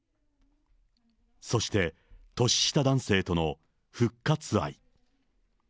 そして年下男性との復活愛。